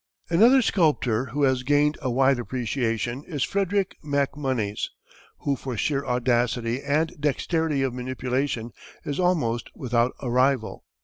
Another sculptor who has gained a wide appreciation is Frederick MacMonnies, who for sheer audacity and dexterity of manipulation is almost without a rival.